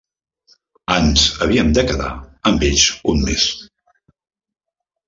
Ens havíem de quedar amb ells un mes.